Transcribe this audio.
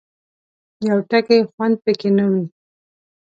یو ټکی خوند پکې نه وي.